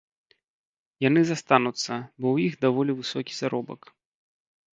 Яны застануцца, бо ў іх даволі высокі заробак.